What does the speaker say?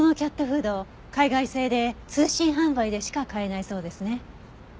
フード海外製で通信販売でしか買えないそうですね。